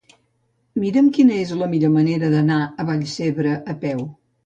Mira'm quina és la millor manera d'anar a Vallcebre a peu.